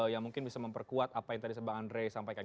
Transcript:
yang mungkin bisa memperkuat apa yang tadi bang andre sampaikan